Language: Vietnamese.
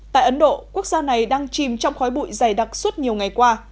tại ấn độ quốc gia này đang chìm trong khói bụi dày đặc suốt nhiều ngày qua